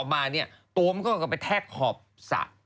ตั้งออกมาเนี่ยตัวมันก็กลับไปแทกขอบศักดิ์